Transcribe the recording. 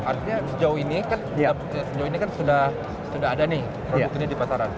artinya sejauh ini kan sudah ada nih produknya di pasaran